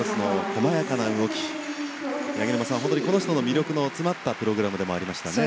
この人の魅力の詰まったプログラムでしたね。